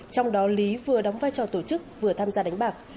trong đó lý vừa đóng vai trò tổ chức vừa tham gia đánh bạc